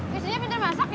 kisinya pintar masak ya